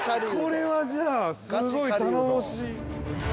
◆これはじゃあ、すごい頼もしい。